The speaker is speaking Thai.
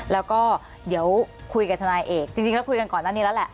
แล้วก็เดี๋ยวคุยกับทนายเอกจริงแล้วคุยกันก่อนหน้านี้แล้วแหละ